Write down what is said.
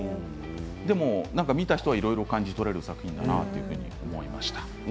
でも見た人がいろいろ感じ取ることができる作品だと思いました。